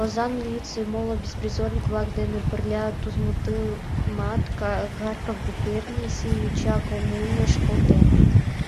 Озаҥ милиций моло беспризорник-влак дене пырля Тузмытымат Харьков губернийысе йоча коммуныш колтен.